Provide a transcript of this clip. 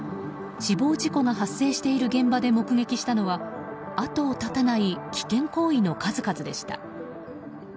死亡事故が発生している現場で目撃したのは後を絶たない危険行為の数々でした。